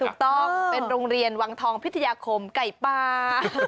ถูกต้องเป็นโรงเรียนวังทองพิทยาคมไก่ปลา